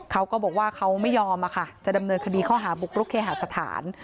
เขาก็บอกว่าเขาไม่ยอมจะดำเนินคดีข้อหาบุกรุกเคหาสถาน